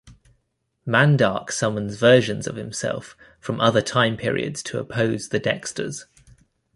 Mandark summons versions of himself from other time periods to oppose the Dexters.